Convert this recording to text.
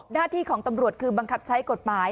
หน้าที่ของตำรวจคือบังคับใช้กฎหมาย